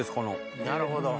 なるほど！